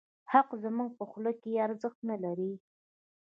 حق زموږ په خوله کې ارزښت نه لري.